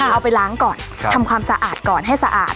เอาไปล้างก่อนทำความสะอาดก่อนให้สะอาด